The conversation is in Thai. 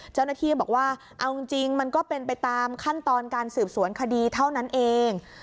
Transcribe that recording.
เจ้าหน้าที่บอกว่าเอาจริงมันก็เป็นไปตามขั้นตอนการสืบสวนคดีเท่านั้นเอง